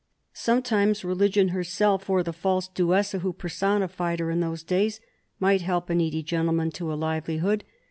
Sometimes Religion herself, or the false Duessa who personified her in those days, might help a needy gentleman to a liveli hood.